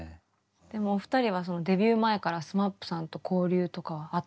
お二人はそのデビュー前からＳＭＡＰさんと交流とかはあったんですか？